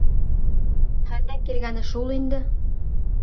— Хәлдән килгәне шул инде.